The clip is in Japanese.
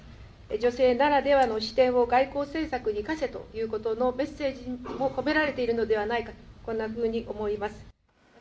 女性ならではの視点を外交政策に生かせということのメッセージも込められているのではないか、こんなふうに思います。